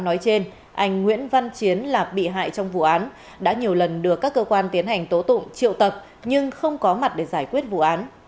nói trên anh nguyễn văn chiến là bị hại trong vụ án đã nhiều lần được các cơ quan tiến hành tố tụng triệu tập nhưng không có mặt để giải quyết vụ án